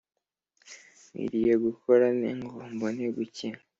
nkwiriye gukora nte, ngo mbone gukira?